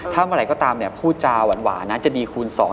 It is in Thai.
ถ้าเมื่อไหร่ก็ตามเนี่ยพูดจาวหวานน่าจะดีคูณสอง